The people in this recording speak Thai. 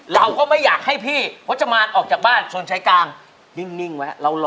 เราก็ไม่อยากให้พี่พจมานออกจากบ้านชนใช้กลางนิ่งไว้